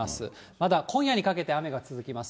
まだ今夜にかけて続きます。